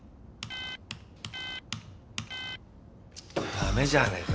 駄目じゃねえか。